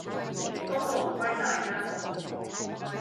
功勞歸大家